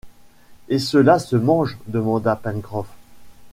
Et cela se mange ? demanda Pencroff.